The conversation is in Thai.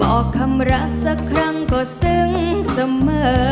ออกคำรักสักครั้งก็ซึ้งเสมอ